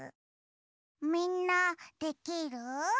みんなできる？